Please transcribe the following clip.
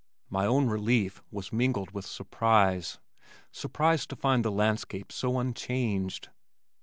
My own relief was mingled with surprise surprise to find the landscape so unchanged.